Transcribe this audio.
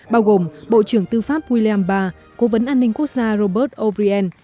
bao gồm bộ trưởng tư pháp william barr cố vấn an ninh quốc gia robert o brien